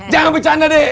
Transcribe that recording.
jangan bercanda deh